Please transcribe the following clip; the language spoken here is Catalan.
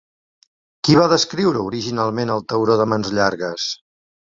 Qui va descriure originalment el tauró de mans llargues?